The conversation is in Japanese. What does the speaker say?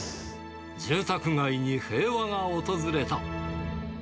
住宅街に平和が訪れた。